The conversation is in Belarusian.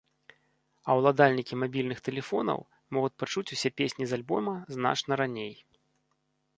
А ўладальнікі мабільных тэлефонаў могуць пачуць усе песні з альбома значна раней.